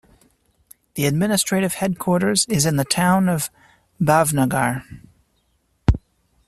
The administrative headquarters is in the town of Bhavnagar.